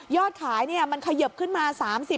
ยอดขายเนี่ยมันขยบขึ้นมา๓๐